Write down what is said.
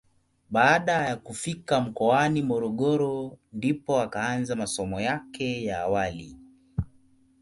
Baada ya kufika mkoani Morogoro ndipo akaanza masomo yake ya awali.